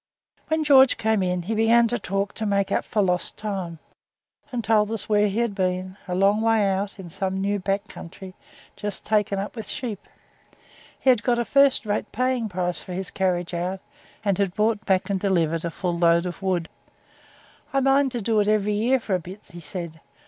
When George came in he began to talk to make up for lost time, and told us where he had been a long way out in some new back country, just taken up with sheep. He had got a first rate paying price for his carriage out, and had brought back and delivered a full load of wool. 'I intend to do it every year for a bit,' he said.